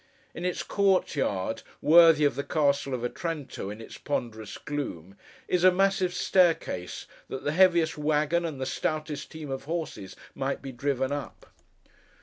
In its court yard—worthy of the Castle of Otranto in its ponderous gloom—is a massive staircase that the heaviest waggon and the stoutest team of horses might be driven up.